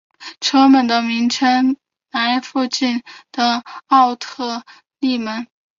车站的名称来附近的奥特伊门。